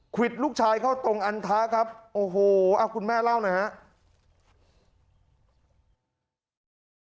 วิดลูกชายเข้าตรงอันทะครับโอ้โหคุณแม่เล่าหน่อยครับ